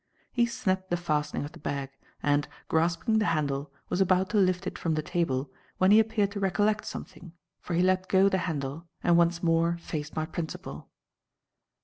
He snapped the fastening of the bag, and, grasping the handle, was about to lift it from the table, when he appeared to recollect something, for he let go the handle and once more faced my principal.